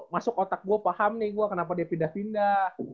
masuk otak gue paham nih gue kenapa dia pindah pindah